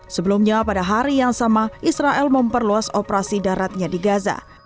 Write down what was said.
sebelumnya pada hari yang sama israel memperluas operasi daratnya di gaza